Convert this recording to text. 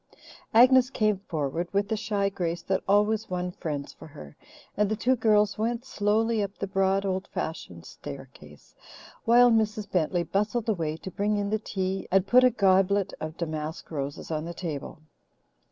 Agnes came forward with the shy grace that always won friends for her, and the two girls went slowly up the broad, old fashioned staircase, while Mrs. Bentley bustled away to bring in the tea and put a goblet of damask roses on the table.